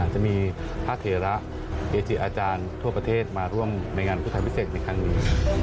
จะมีพระเถระเกจิอาจารย์ทั่วประเทศมาร่วมในงานพุทธไทยพิเศษในครั้งนี้